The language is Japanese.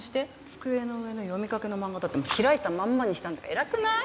机の上の読みかけの漫画だって開いたまんまにしてあるんだから偉くない？